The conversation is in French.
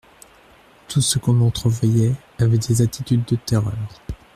Tout ce qu'on entrevoyait avait des attitudes de terreur.